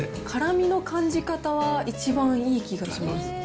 辛味の感じ方は一番いい気がします。